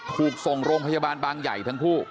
ถูกส่งโรงพยาบาลบางใหญ่ทั้งคู่